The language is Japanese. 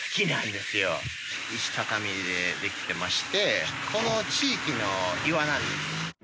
石畳でできてましてこの地域の岩なんです。